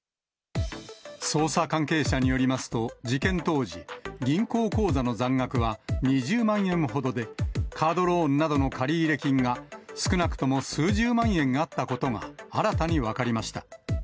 捜査関係者によりますと、事件当時、銀行口座の残額は２０万円ほどで、カードローンなどの借入金が、少なくとも数十万円あったことが新たに分かりました。